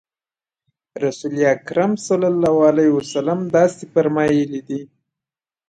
رسول اکرم صلی الله علیه وسلم داسې فرمایلي دي.